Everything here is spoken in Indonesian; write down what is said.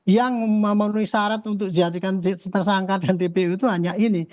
yang memenuhi syarat untuk dijadikan tersangka dan dpu itu hanya ini